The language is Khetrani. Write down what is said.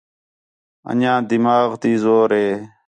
اَن٘ڄیاں دِِماغ تی زور ہے